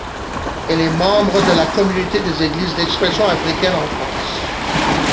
Elle est membre de la Communauté des Églises d'expressions africaines en France.